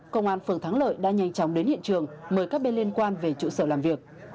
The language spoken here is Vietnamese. công an phường thắng lợi đã nhanh chóng đến hiện trường mời các bên liên quan về trụ sở làm việc